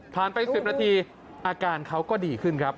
ไป๑๐นาทีอาการเขาก็ดีขึ้นครับ